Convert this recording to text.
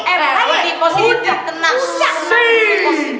eh positi tenang